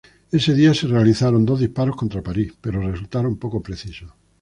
Ese día se realizaron dos disparos contra París, pero resultaron poco precisos.